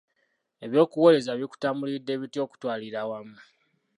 Eby'obuweereza bikutambulidde bitya okutwalira awamu?